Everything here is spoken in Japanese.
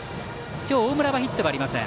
今日、大村はヒットはありません。